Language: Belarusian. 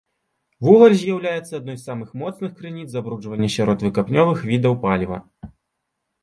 Вугаль з'яўляецца адной з самых моцных крыніц забруджвання сярод выкапнёвых відаў паліва.